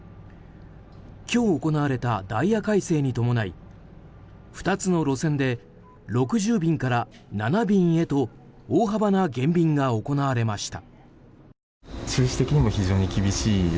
今日行われたダイヤ改正に伴い２つの路線で６０便から７便へと大幅な減便が行われました。